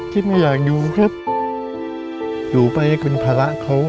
ที่ไม่อยากอยู่ครับอยู่ไปเป็นภาระเขา